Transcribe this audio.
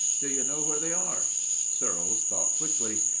"Do you know where they are?" Searles thought quickly.